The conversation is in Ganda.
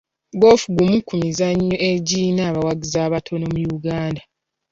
Goofu gumu ku mizannyo egirina abawagizi abatono mu Uganda.